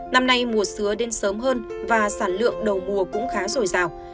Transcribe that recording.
năm nay mùa sứa đến sớm hơn và sản lượng đầu mùa cũng khá rồi rào